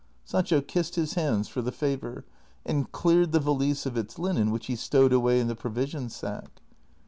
Sancho kissed his hands for the favor, and cleared the valise of its linen, which he stowed away in the provision sack.